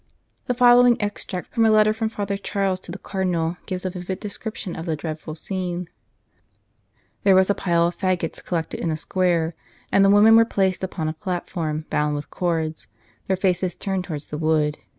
The following extract from a letter from Father Charles to the Cardinal gives a vivid description of the dreadful scene :" There was a pile of faggots collected in a square, and the women were placed upon a plat form bound with cords, their faces turned towards the wood.